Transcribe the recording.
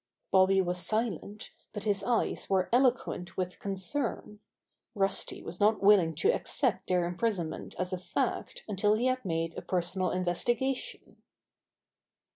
Bobby was silent, but his eyes were eloquent with concern. Rusty was not willing to ac cept their imprisonment as a fact until he had made a personal investigation.